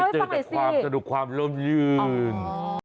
เจอแต่ความสนุกความล่มยืน